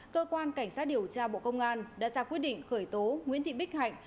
cơ quan cảnh sát điều tra bộ công an đã ra quyết định khởi tố nguyễn thị bích hạnh